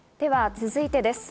続いてです。